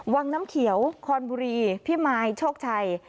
วังน้ำเขียวคอนบุรีพิมายโชคชัย